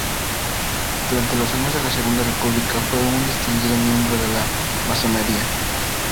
Durante los años de la Segunda República fue un distinguido miembro de la masonería.